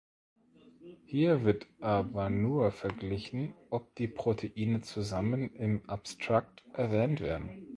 Hier wird aber nur verglichen, ob die Proteine zusammen im Abstract erwähnt werden.